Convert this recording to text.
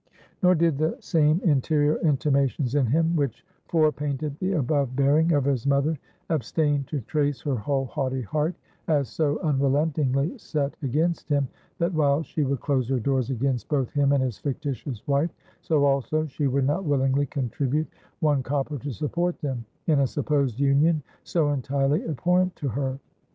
Nor did the same interior intimations in him which fore painted the above bearing of his mother, abstain to trace her whole haughty heart as so unrelentingly set against him, that while she would close her doors against both him and his fictitious wife, so also she would not willingly contribute one copper to support them in a supposed union so entirely abhorrent to her.